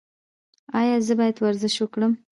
ایا زه باید ورزش وکړم؟